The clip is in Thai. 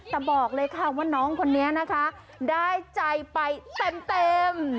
แต่บอกเลยค่ะว่าน้องคนนี้นะคะได้ใจไปเต็ม